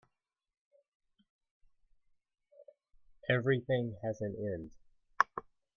Everything has an end.